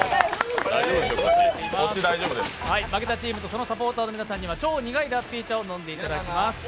負けたチームとそのサポーターの皆さんには超苦い特製ラッピー茶を飲んでいただきます。